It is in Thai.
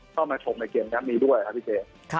เข้ามาทำเกตกำนี้ด้วยค่ะพี่เจ